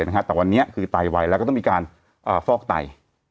แต่วันนี้คือไตไวแล้วก็ต้องมีการฟอกไต